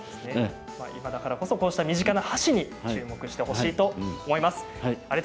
今だからこそ身近な箸に注目してほしいと思います。